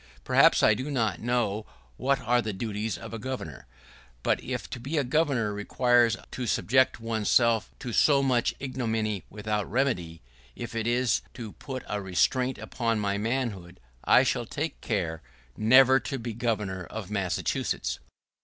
Perhaps I do not know what are the duties of a Governor; but if to be a Governor requires to subject one's self to so much ignominy without remedy, if it is to put a restraint upon my manhood, I shall take care never to be Governor of Massachusetts.